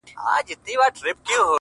نن شپه د ټول كور چوكيداره يمه’